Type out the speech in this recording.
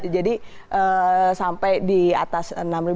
jadi sampai di atas enam ribu tiga ratus